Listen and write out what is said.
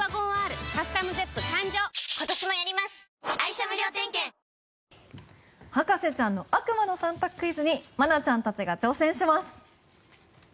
脂肪に選べる「コッコアポ」博士ちゃんの悪魔の三択クイズに愛菜ちゃんたちが挑戦します。